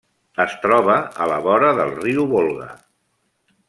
Es troba a la vora del riu Volga.